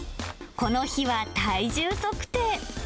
この日は体重測定。